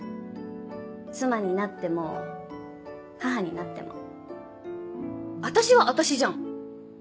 妻になっても母になっても私は私じゃん。